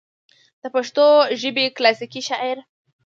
دَپښتو ژبې کلاسيکي شاعر